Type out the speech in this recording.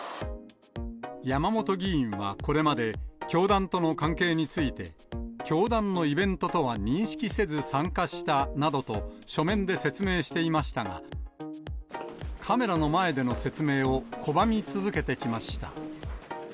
山本議員はこれまで、教団との関係について、教団のイベントとは認識せず参加したなどと、書面で説明していましたが、カメラの前での説明を拒み続けてきました。